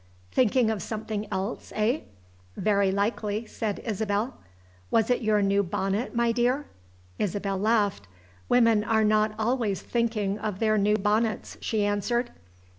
"Thinking of something else eh?" "Very likely," said Isabel. "Was it your new bonnet, my dear?" Isabel laughed. "Women are not always thinking of their new bonnets," she answered.